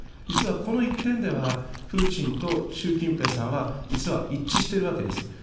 実はこの一点では、プーチンと習近平さんは、実は一致しているわけです。